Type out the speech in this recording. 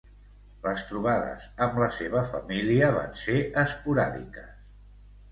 Les trobades amb la seva família van ser esporàdiques.